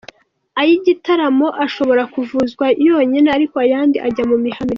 Ay’igitaramo ashobora kuvuzwa yonyine ariko ayandi ajya mu mihamirizo.